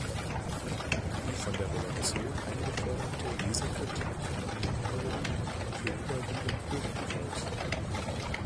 Die von der Redaktion eingeforderte Leser-Kritik an den Neuerungen fiel überwiegend positiv aus.